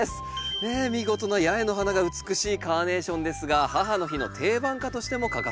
ねえ見事な八重の花が美しいカーネーションですが母の日の定番花としても欠かせませんよね。